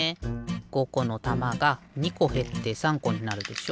５このたまが２こへって３こになるでしょ。